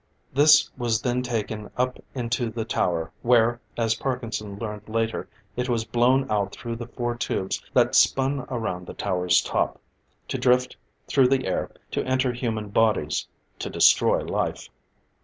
This was then taken up into the tower, where, as Parkinson learned later, it was blown out through the four tubes that spun around the tower's top, to drift through the air to enter human bodies to destroy life.